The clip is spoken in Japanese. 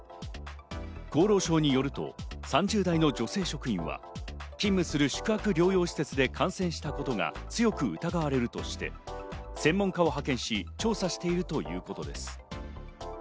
厚労省によると３０代の女性職員は、勤務する宿泊療養施設で感染したことが強く疑われるとして、専門家を派遣し調査しているということです。